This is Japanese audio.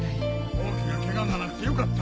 大きなケガがなくてよかった。